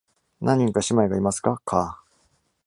何人か姉妹がいますか、カー。